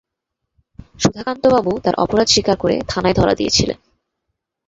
সুধাকান্তবাবু তাঁর অপরাধ স্বীকার করে থানায় ধরা দিয়েছিলেন।